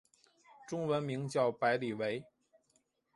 中文名叫白理惟。